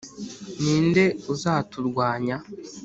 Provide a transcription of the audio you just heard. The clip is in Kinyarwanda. Ni nde uzaturwanya